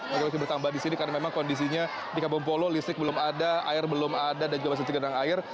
semakin bertambah di sini karena memang kondisinya di kabupaten polo listrik belum ada air belum ada dan juga masih tiga rang air